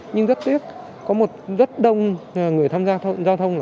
nhưng rất tiếc có một rất đông người tham gia giao thông